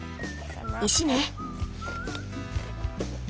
石ね。